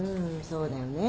そうだよね。